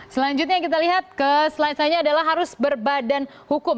selanjutnya kita lihat ke slide selanjutnya adalah harus berbadan hukum